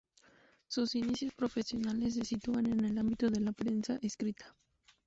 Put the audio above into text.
Sus inicios profesionales se sitúan en el ámbito de la prensa escrita.